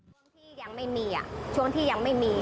ช่วงที่ยังไม่มีช่วงที่ยังไม่มี